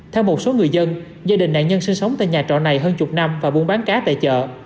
theo một số người dân gia đình nạn nhân sinh sống tại nhà trọ này hơn chục năm và buôn bán cá tại chợ